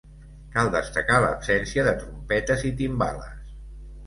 Cal destacar l'absència de trompetes i timbales.